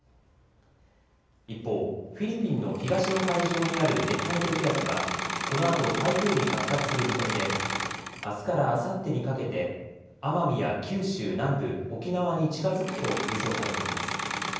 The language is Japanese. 一方、フィリピンの東の海上にある熱帯低気圧はこのあと台風に発達する見込みであすからあさってにかけて奄美や九州南部、沖縄に近づくと予想されています。